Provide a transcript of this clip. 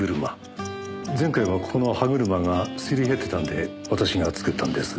前回はここの歯車が擦り減ってたんで私が作ったんです。